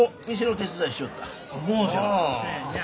ほうじゃ。